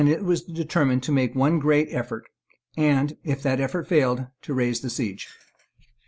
It was determined to make one great effort, and, if that effort failed, to raise the seige.